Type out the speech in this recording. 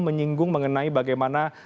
menyinggung mengenai bagaimana